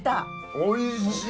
おいしい。